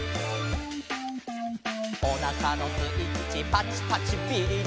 「おなかのスイッチパチパチビリリ」